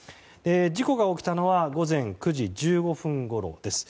事故が起きたのは午前９時１５分ごろです。